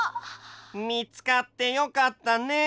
みつかってよかったね。